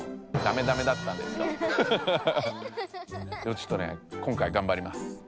ちょっとね今回がんばります。